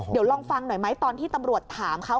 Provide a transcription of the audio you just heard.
เดี๋ยวลองฟังหน่อยไหมตอนที่ตำรวจถามเขา